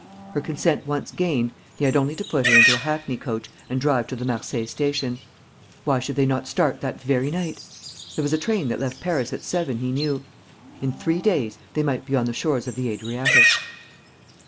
Her consent once gained, he had only to put her into a hackney coach and drive to the Marseilles station. Why should they not start that very night? There was a train that left Paris at seven, he knew; in three days they might be on the shores of the Adriatic.